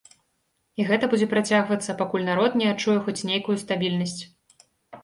І гэта будзе працягвацца, пакуль народ не адчуе хоць нейкую стабільнасць.